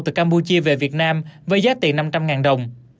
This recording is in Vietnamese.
từ campuchia về việt nam với giá tiền năm trăm linh đồng